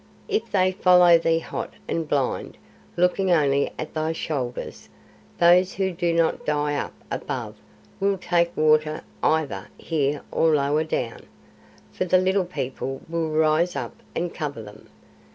"If they follow thee hot and blind, looking only at thy shoulders, those who do not die up above will take water either here or lower down, for the Little People will rise up and cover them.